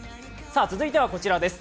続いてはこちらです。